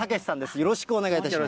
よろしくお願いします。